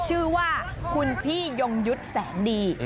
ชื่อว่าคุณพี่ยงยุทธ์แสงดี